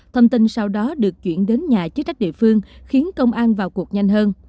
thông tin sau đó được chuyển đến nhà chức trách địa phương khiến công an vào cuộc nhanh hơn